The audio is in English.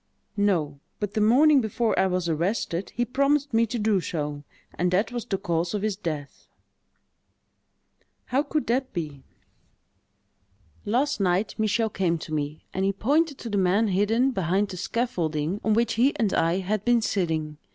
"No—but the morning before I was arrested, he promised me to do so; and that was the cause of his death." "How could that be?" "Last night, Michel came to me, and he pointed to the man hidden behind the scaffolding on which he and I had been sitting.